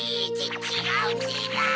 ちがうちがう！